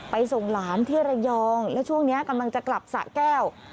ส่งหลานที่ระยองและช่วงนี้กำลังจะกลับสะแก้ว